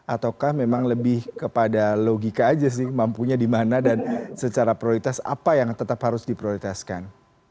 ataukah memang lebih kepada logika aja sih mampunya di mana dan secara prioritas apa yang tetap harus diprioritaskan